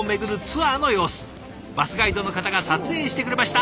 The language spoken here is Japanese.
バスガイドの方が撮影してくれました。